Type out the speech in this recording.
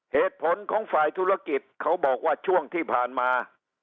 เหตุผลของฝ่ายธุรกิจเขาบอกว่าช่วงที่ผ่านมา